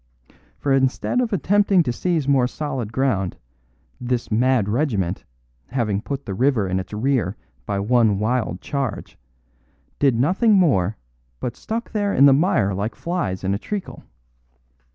For instead of attempting to seize more solid ground, this mad regiment, having put the river in its rear by one wild charge, did nothing more, but stuck there in the mire like flies in treacle.